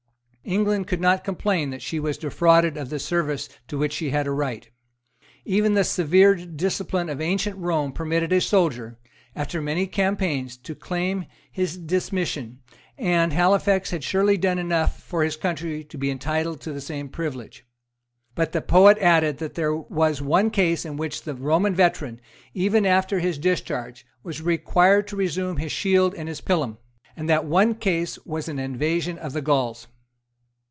England could not complain that she was defrauded of the service to which she had a right. Even the severe discipline of ancient Rome permitted a soldier, after many campaigns, to claim his dismission; and Halifax had surely done enough for his country to be entitled to the same privilege. But the poet added that there was one case in which the Roman veteran, even after his discharge, was required to resume his shield and his pilum; and that one case was an invasion of the Gauls.